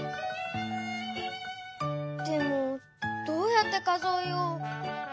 でもどうやって数えよう？